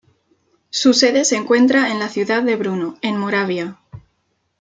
Su sede se encuentra en la ciudad de Brno, en Moravia.